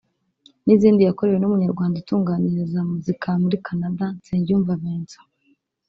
n’izindi yakorewe n’umunyarwanda utunganyiriza muzika muri Canada ‘Nsengiyumva Vincent’